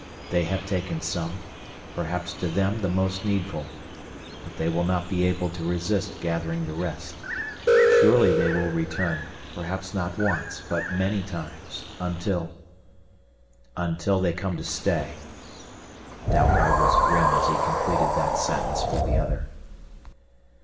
"They have taken some, perhaps to them the most needful. But they will not be able to resist gathering the rest. Surely they will return, perhaps not once but many times. Until " "Until they come to stay." Dalgard was grim as he completed that sentence for the other.